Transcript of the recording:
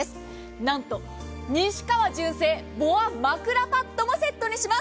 なんと西川純正ボア枕パッドもセットします。